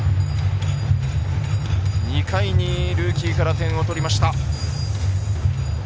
２回にルーキーから点を取りました。